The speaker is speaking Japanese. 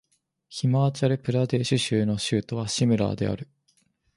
ヒマーチャル・プラデーシュ州の州都はシムラーである